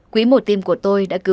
quỹ một tim của tôi đã cứu sống